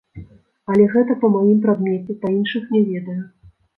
Але гэта па маім прадмеце, па іншых не ведаю.